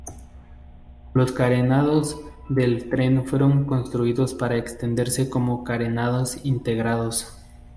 Los carenados del tren fueron construidos para extenderse como carenados integrados.